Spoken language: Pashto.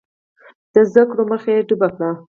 د زده کړو مخه یې ډپ کړه.